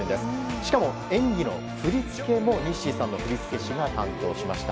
しかも、演技の振り付けもＮｉｓｓｙさんの振付師が担当しました。